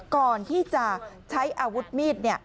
ก่อนที่จะใช้อาวุธมีด